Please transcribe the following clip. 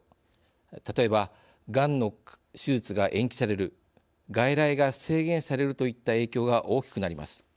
例えばがんの手術が延期される外来が制限される、といった影響が大きくなります。